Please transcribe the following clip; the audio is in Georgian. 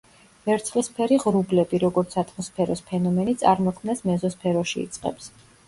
ვერცხლისფერი ღრუბლები, როგორც ატმოსფეროს ფენომენი წარმოქმნას მეზოსფეროში იწყებს.